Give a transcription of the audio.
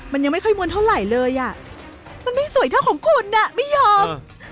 มันยังไม่ค่อยม้วนเท่าไหร่เลยอ่ะมันไม่สวยเท่าของคุณอ่ะไม่ยอม